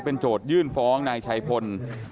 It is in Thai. เป็นส่วนยื่นฟ้องนายชัยพล